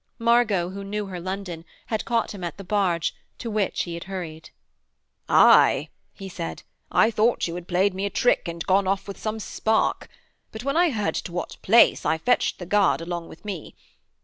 Margot, who knew her London, had caught him at the barge, to which he had hurried. 'Aye,' he said, 'I thought you had played me a trick and gone off with some spark. But when I heard to what place, I fetched the guard along with me....